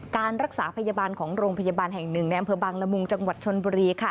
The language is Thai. การรักษาพยาบาลของโรงพยาบาลแห่งหนึ่งในอำเภอบางละมุงจังหวัดชนบุรีค่ะ